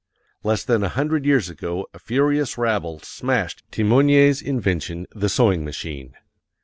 _Less than a hundred years ago a furious rabble smashed Thimonier's invention, the sewing machine.